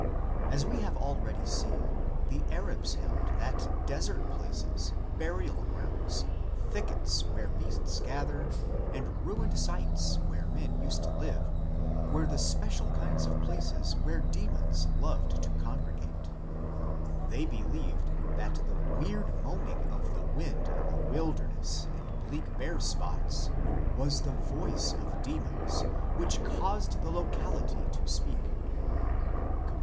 As we have already seen, the Arabs held that desert places, burial grounds, thickets where beasts gather, and ruined sites where men used to live were the special kinds of places where demons loved to congregate ; they believed that the weird moaning of the wind in the wilderness and bleak, bare spots was the voice of demons, which " caused the locality to speak " 3 (cp.